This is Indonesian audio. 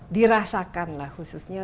dirasakan lah khususnya